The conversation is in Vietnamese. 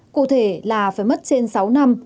cụ thể là phải mất trên sáu năm